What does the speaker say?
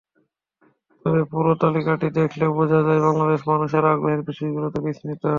তবে পুরো তালিকাটি দেখলে বোঝা যায়, বাংলাদেশের মানুষের আগ্রহের বিষয়গুলো বেশ বিস্তৃত।